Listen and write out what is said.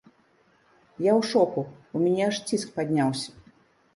Я ў шоку, у мяне аж ціск падняўся.